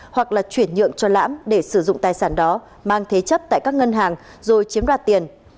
hoặc là chuyển nhượng cho lãm để sử dụng tài sản đó mang thế chấp tại các ngân hàng rồi chiếm đoạt tiền